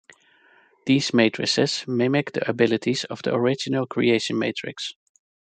These Matrices mimic the abilities of the original Creation Matrix.